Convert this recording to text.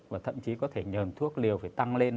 và thậm chí có thể nhờn thuốc liều phải tăng lên